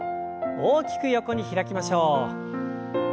大きく横に開きましょう。